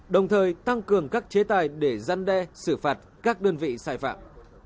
đồng thời tăng cường các chế tài để giăn đe xử phạt các đơn vị xài phạm